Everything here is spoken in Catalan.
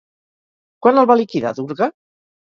Quan el va liquidar Durga?